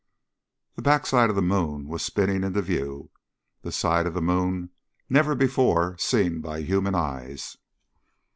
The back side of the moon was spinning into view the side of the moon never before seen by human eyes.